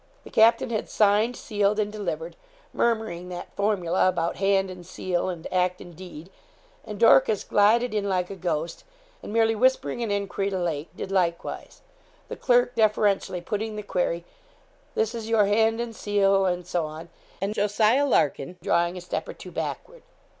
The captain had signed, sealed, and delivered, murmuring that formula about hand and seal, and act and deed, and Dorcas glided in like a ghost, and merely whispering an enquiry to Lake, did likewise, the clerk deferentially putting the query, 'this is your hand and seal, &c.?' and Jos. Larkin drawing a step or two backward.